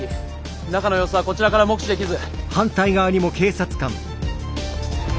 中の様子はこちらから目視できず。